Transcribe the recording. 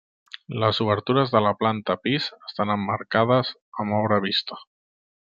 Les obertures de la planta pis estan emmarcades amb obra vista.